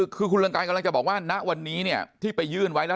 คือคุณเรืองการกำลังจะบอกว่าณวันนี้ที่ไปยื่นไว้แล้ว